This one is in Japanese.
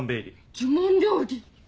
呪文料理！